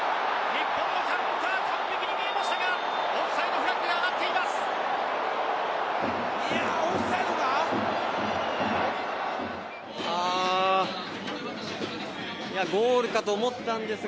日本のカウンター完璧に見えましたがオフサイドフラッグが上がっています。